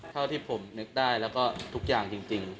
เท่าที่ผมนึกได้แล้วก็ทุกอย่างจริง